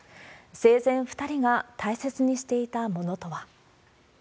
生前、２人が大切にしていたものとは。